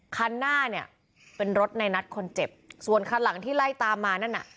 คันหน้าเนี่ยเป็นรถในนัดคนเจ็บส่วนคันหลังที่ไล่ตามมานั่นน่ะ